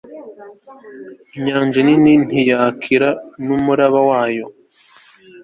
inyanja nini niyakire n'imiraba yayo